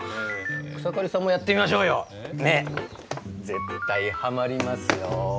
草刈さんもやってみましょうよ。ねえ絶対ハマりますよ。